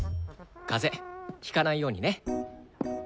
風邪ひかないようにね。